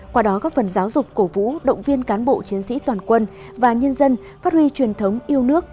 qua đó góp phần giáo dục cổ vũ động viên cán bộ chiến sĩ toàn quân và nhân dân phát huy truyền thống yêu nước